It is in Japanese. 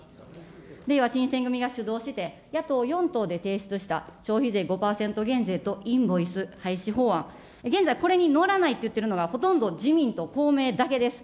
れいわ新選組が主導して、野党４党で提出した消費税５％減税とインボイス廃止法案、現在、これに乗らないと言っているのが、ほとんど自民と公明だけです。